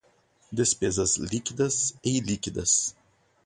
Despesas líquidas e ilíquidas